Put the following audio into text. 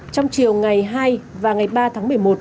trong chiều ngày hai và ngày ba tháng một mươi một